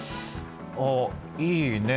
あっいいね。